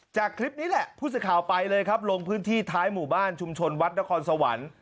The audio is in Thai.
จากคลิปนี้แหละผู้สื่อข่าวไปเลยครับลงพื้นที่ท้ายหมู่บ้านชุมชนวัดนครสวรรค์